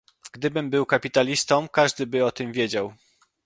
Gdybym był kapitalistą, każdy by o tym wiedział!